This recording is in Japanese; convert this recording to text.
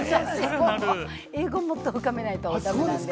英語をもっと深めないと駄目